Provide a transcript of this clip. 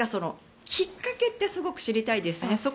きっかけってすごく知りたいですよね。